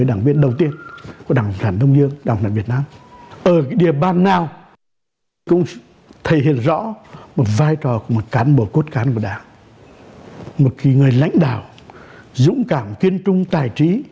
đảng bộ cốt khán của đảng một kỳ người lãnh đạo dũng cảm kiên trung tài trí